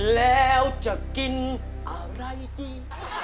แล้วจะกินอะไรดี